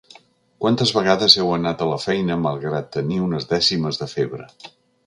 Quantes vegades heu anat a la feina malgrat tenir unes dècimes de febre?